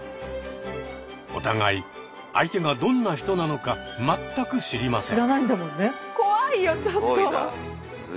お互い相手がどんな人なのか全く知りません。